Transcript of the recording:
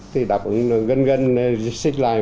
thì gần gần xích lại